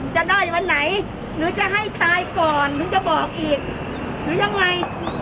จะได้วันไหนหนูจะให้ตายก่อนหนูจะบอกอีกหรือยังไง